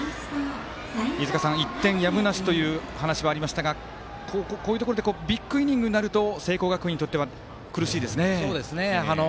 飯塚さん、１点やむなしという話もありましたがこういうところでビッグイニングになると聖光学院としては苦しいですね。